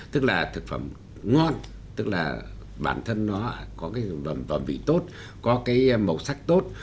tức là thực phẩm ngon tức là bản thân nó có cái vẩn vị tốt có cái màu sắc tốt